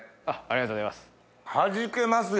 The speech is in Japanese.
ありがとうございます。